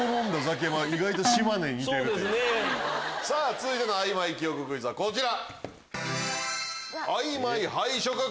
続いてのあいまい記憶クイズはこちら！